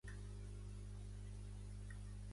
A Terveu, toros.